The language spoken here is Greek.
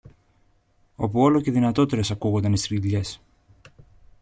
όπου όλο και δυνατότερες ακούουνταν οι στριγλιές.